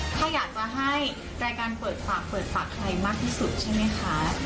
ถ้าอยากจะให้รายการเปิดปากเปิดฝากใครมากที่สุดใช่ไหมคะ